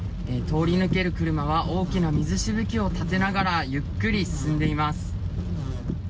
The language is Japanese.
通り抜ける車は大きな水しぶきを立てながらゆっくり進んでいます。